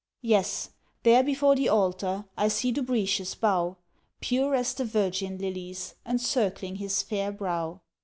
Yes! there before the Altar, I see Dubritius bow, Pure as the virgin lilies, Encircling his fair brow.